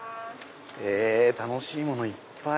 へぇ楽しいものいっぱい！